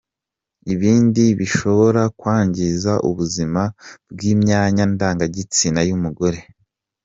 Ibindi bishobora kwangiza ubuzima bw’imyanya ndangagitsina y’umugore.